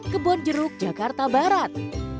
kebun jeruk jakarta barat